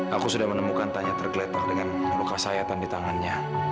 aku sudah menemukan tanya tergeletak dengan luka sayatan di tangannya